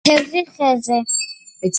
თევზი ხეზე